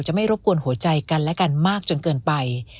ไม่รบกวนหัวใจกันและกันมากจนเกินไป